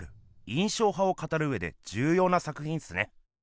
印象派を語るうえでじゅうような作品っすね。